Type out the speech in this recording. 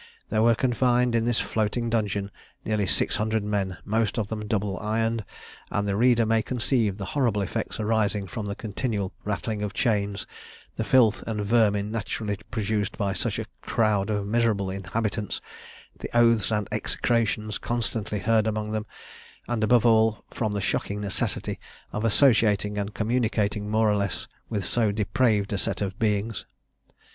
There were confined in this floating dungeon nearly six hundred men, most of them double ironed, and the reader may conceive the horrible effects arising from the continual rattling of chains, the filth and vermin naturally produced by such a crowd of miserable inhabitants, the oaths and execrations constantly heard among them; and, above all, from the shocking necessity of associating and communicating more or less with so depraved a set of beings.